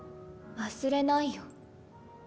忘れないよ。